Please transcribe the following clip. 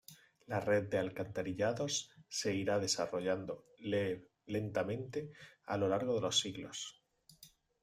La red de alcantarillados se irá desarrollando, lentamente, a lo largo de los siglos.